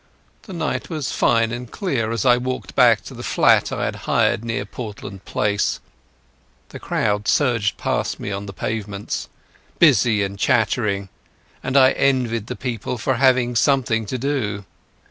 The night was fine and clear as I walked back to the flat I had hired near Portland Place. The crowd surged past me on the pavements, busy and chattering, and I envied the people for having something to do.